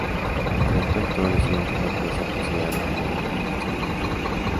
Por lo tanto, el estudiante no puede ser considerado como la unidad experimental.